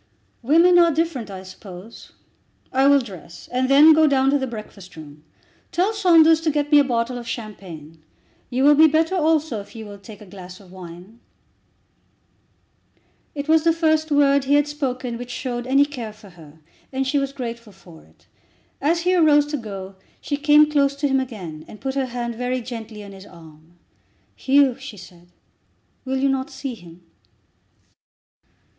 "Women are different, I suppose. I will dress and then go down to the breakfast room. Tell Saunders to get me a bottle of champagne. You will be better also if you will take a glass of wine." It was the first word he had spoken which showed any care for her, and she was grateful for it. As he arose to go, she came close to him again, and put her hand very gently on his arm. "Hugh," she said, "will you not see him?"